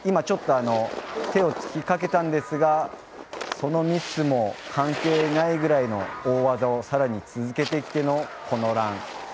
ちょっと手をつきかけましたがそのミスも関係ないぐらいの大技をさらに続けてきてのラン。